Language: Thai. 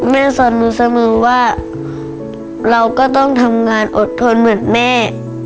แม่สอนหนูเสมอว่าเราก็ต้องทำงานอดทนเหมือนแม่